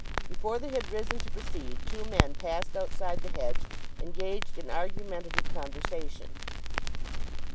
Before they had risen to proceed two men passed outside the hedge, engaged in argumentative conversation.